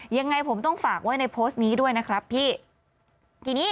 ยังไงผมต้องฝากไว้ในโพสต์นี้ด้วยนะครับพี่ทีนี้